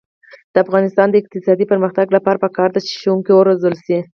د افغانستان د اقتصادي پرمختګ لپاره پکار ده چې ښوونکي وروزل شي.